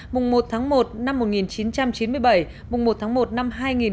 mùng một tháng một năm một nghìn chín trăm chín mươi bảy mùng một tháng một năm hai nghìn hai mươi